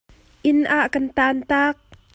Inn ah kan tan tak.